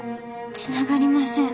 つながりません。